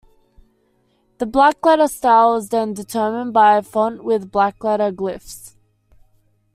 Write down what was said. The black-letter style is then determined by a font with black-letter glyphs.